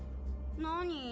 何？